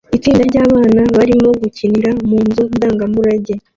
Itsinda ryabana barimo gukinira mu nzu ndangamurage